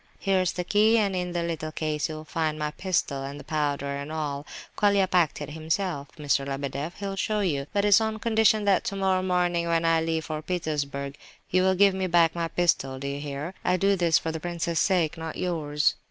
Here's the key, and in the little case you'll find my pistol and the powder, and all. Colia packed it himself, Mr. Lebedeff; he'll show you; but it's on condition that tomorrow morning, when I leave for Petersburg, you will give me back my pistol, do you hear? I do this for the prince's sake, not yours."